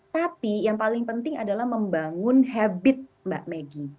tapi yang paling penting adalah membangun habit mbak meggy